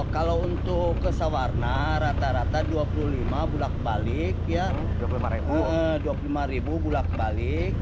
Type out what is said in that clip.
kalau untuk ke sawarna rata rata dua puluh lima bulan kebalik dua puluh lima ribu bulan kebalik